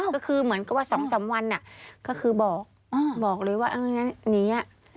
ก็คือเหมือนกับว่า๒๓วันก็คือบอกบอกเลยว่าเอองั้นหนี